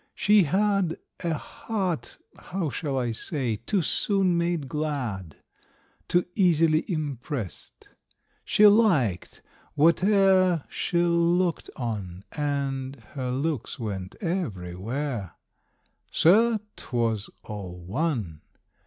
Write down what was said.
She had A heart how shall I say too soon made glad, Too easily impressed; she liked whate'er She looked on, and her looks went everywhere. Sir, 'twas all one!